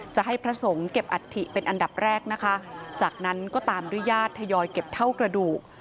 จะให้พระสงฆ์เก็บอัฐิเป็นอันดับแรกนะคะจากนั้นก็ตามด้วยญาติทยอยเก็บเท่ากระดูก